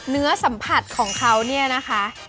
เนื้อสัมผัสของเขาเนี่ยนะคะ